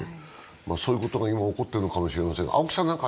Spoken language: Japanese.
そういうことが今、起こっているのかもしれません。